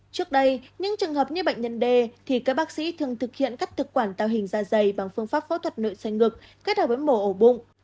trước đây những trường hợp như bệnh nhân d thì các bác sĩ thường thực hiện cắt thực quản tạo hình da dày bằng phương pháp phẫu thuật nội soi ngực kết hợp với mổ ổ bụng